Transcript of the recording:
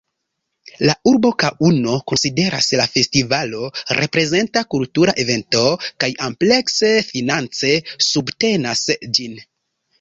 La urbo Kaŭno konsideras la festivalo reprezenta kultura evento kaj amplekse finance subtenas ĝin.